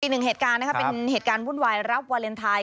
อีกหนึ่งเหตุการณ์นะครับเป็นเหตุการณ์วุ่นวายรับวาเลนไทย